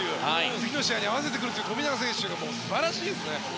次の試合に合わせてくる富永選手が素晴らしいですね。